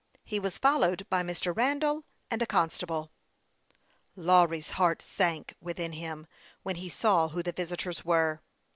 He was followed by Mr. Randall and a constable. Lawry's heart sank within him when he saw who the visitors were.